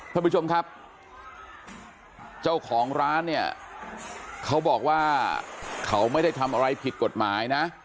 ท่านผู้ชมครับเจ้าของร้านเนี่ยเขาบอกว่าเขาไม่ได้ทำอะไรผิดกฎหมายนะ